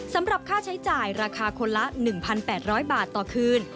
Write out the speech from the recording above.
สำหรับค่าใช้จ่ายราคาคนละ๑๘๐๐บาทต่อคืน